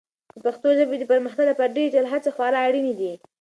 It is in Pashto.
د پښتو ژبې د پرمختګ لپاره ډیجیټلي هڅې خورا اړینې دي.